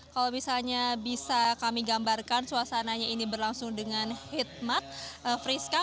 kalau misalnya bisa kami gambarkan suasananya ini berlangsung dengan hikmat priska